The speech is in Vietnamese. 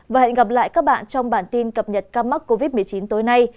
và hẹn gặp lại các bạn trong bản tin cập nhật ca mắc covid một mươi chín tối nay